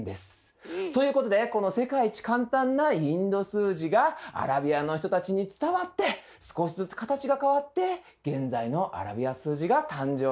ということでこの世界一簡単なインド数字がアラビアの人たちに伝わって少しずつ形が変わって現在のアラビア数字が誕生しました。